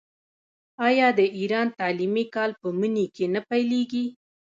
آیا د ایران تعلیمي کال په مني کې نه پیلیږي؟